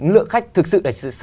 lượng khách thực sự